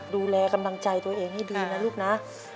ดูแลกำลังใจตัวเองให้ดีนะลูกนะ